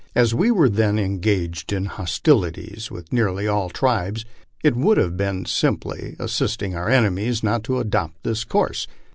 As we were then engaged in hostilities with nearly all the tribes, it would have been simply as sisting our enemies not to adopt this course.